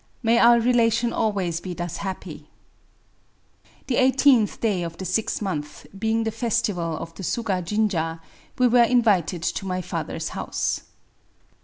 ... May our relation always be thus happy ! The eighteenth day of the sixth month, being the festi val of the Suga jinja,* we were invited to my father's house.